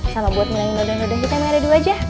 sama buat menangin doda doda kita yang ada di wajah